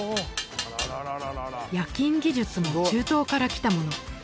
冶金技術も中東から来たもの